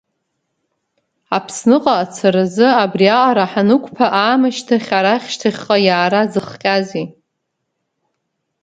Аԥсныҟа ацаразы абри аҟара ҳанықәԥа аамышьҭахь арахь шьҭахьҟа иаара зыхҟьазеи?